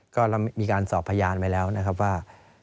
ก็เรามีการสอบพยานไว้แล้วนะครับว่า